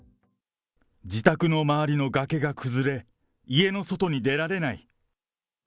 自宅の周りの崖が崩れ、家の外に出られない。